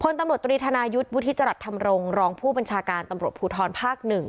ตำรวจตรีธนายุทธ์วุฒิจรัสธรรมรงค์รองผู้บัญชาการตำรวจภูทรภาค๑